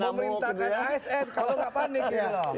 pemerintah asn kalau enggak panik